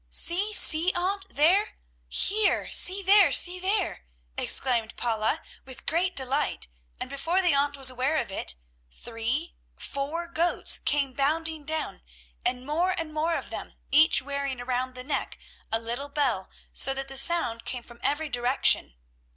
"See, see, Aunt, there! Here! See there! See there!" exclaimed Paula with great delight, and before the aunt was aware of it, three, four goats came bounding down, and more and more of them, each wearing around the neck a little bell so that the sound came from every direction.